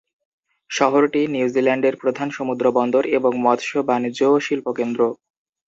শহরটি নিউজিল্যান্ডের প্রধান সমুদ্র বন্দর এবং মৎস্য-, বাণিজ্য- ও শিল্প-কেন্দ্র।